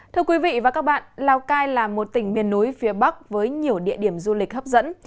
thưa quý vị và các bạn lào cai là một tỉnh miền núi phía bắc với nhiều địa điểm du lịch hấp dẫn